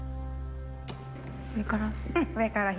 上から？